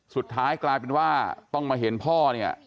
สุดท้ายกลายเป็นว่าต้องมาเห็นพ่อเนี่ย